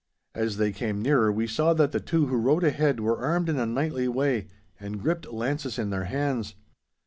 As they came nearer we saw that the two who rode ahead were armed in a knightly way, and gripped lances in their hands.